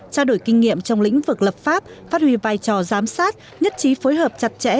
trao đổi kinh nghiệm trong lĩnh vực lập pháp phát huy vai trò giám sát nhất trí phối hợp chặt chẽ